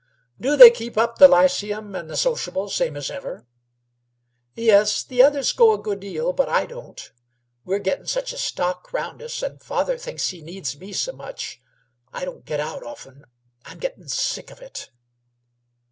"Do they keep up the ly ceum and the sociables same as ever?" "Yes. The others go a good 'eal, but I don't. We're gettin' such a stock round us, and father thinks he needs me s' much, I don't get out often. I'm gettin' sick of it."